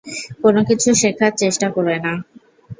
কোনকিছু শেখার চেষ্টা করে না।